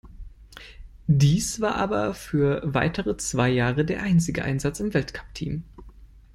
Dies war aber für weitere zwei Jahre der einzige Einsatz im Weltcup-Team.